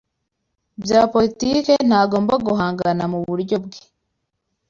bya politiki ntagomba guhangana muburyo bwe